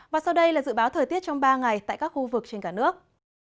và sau đây là dự báo thời tiết trong ba ngày tại các khu vực trên cả nước